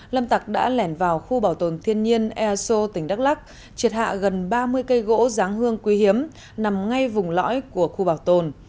lâm tạc đã lẻn vào khu bảo tồn thiên nhiên ea sô tỉnh đắk lắc triệt hạ gần ba mươi cây gỗ giáng hương quý hiếm nằm ngay vùng lõi của khu bảo tồn